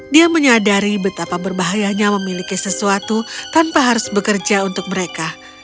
dia menyadari betapa berbahayanya memiliki sesuatu tanpa harus bekerja untuk mereka